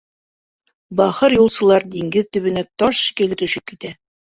Бахыр юлсылар диңгеҙ төбөнә таш шикелле төшөп китә.